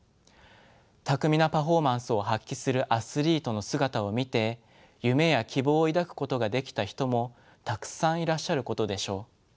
巧みなパフォーマンスを発揮するアスリートの姿を見て夢や希望を抱くことができた人もたくさんいらっしゃることでしょう。